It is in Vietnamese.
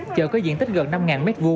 chợ có diện tích gần năm m hai